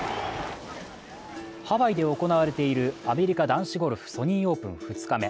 ハワイで行われているアメリカ男子ゴルフ、ソニーオープン２日目。